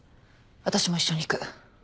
私も一緒に行く。